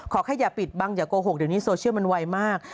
แค่อย่าปิดบังอย่าโกหกเดี๋ยวนี้โซเชียลมันไวมาก